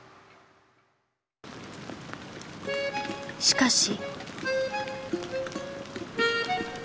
しかし。